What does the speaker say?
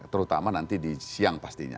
terutama nanti di siang pastinya